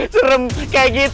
serem kayak gitu